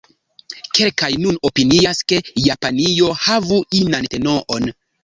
Kelkaj nun opinias, ke Japanio havu inan tenoon.